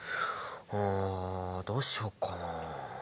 うんどうしようかな。